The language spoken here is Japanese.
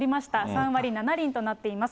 ３割７厘となっています。